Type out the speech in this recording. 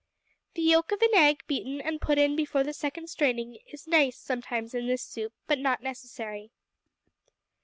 The yolk of an egg beaten and put in before the second straining is nice sometimes in this soup, but not necessary.